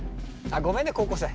あっごめんね高校生。